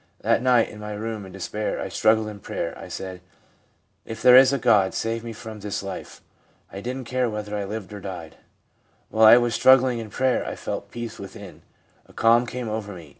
That night, in my room, in despair, I struggled in prayer. I said, "If there is a God, save me from this life !" I didn't care whether I lived or died. While I was struggling in prayer I felt a peace within. A calm came over me.'